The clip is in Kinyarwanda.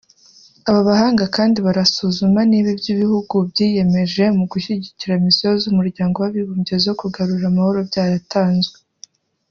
Aba bahanga kandi barasuzuma niba ibyo ibihugu byiyemeje mu gushyigikira Misiyo z’umuryango wabibumbye zo kugarura amahoro byaratanzwe